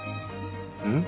うん？